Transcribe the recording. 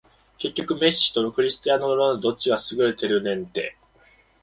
結局メッシとクリスティアーノ・ロナウドどっちが優れてるねんて